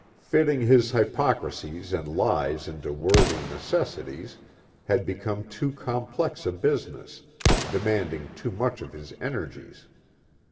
Fitting his hypocricies and lies into worthy necessities had become too complex a business, demanding too much of his energies.